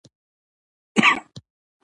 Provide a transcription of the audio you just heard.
کچالو د نورو خوړو سره ښه ګډېږي